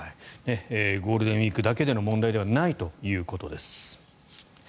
ゴールデンウィークだけの問題ではないということです。